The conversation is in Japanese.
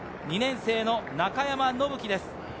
２年生・中山敦貴です。